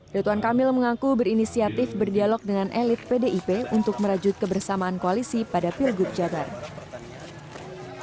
ridwan kamil mengaku berinisiatif berdialog dengan elit pdip untuk merajut kebersamaan koalisi pada pilgub jabar